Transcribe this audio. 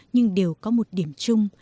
nhưng đều có một điểm chung